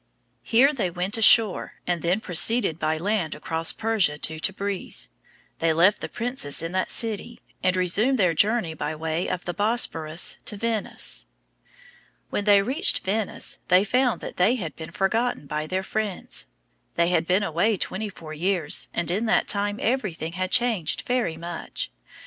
Here they went ashore, and then proceeded by land across Persia to Tabriz. They left the princess in that city, and resumed their journey by way of the Bosporus to Venice. When they reached Venice they found that they had been forgotten by their friends. They had been away twenty four years, and in that time everything had changed very much.